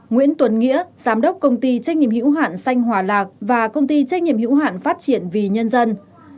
nguyễn tuấn nghĩa giám đốc công ty trách nhiệm hữu hạn xanh hòa lạc và công ty trách nhiệm hữu hạn phát triển vì nhân dân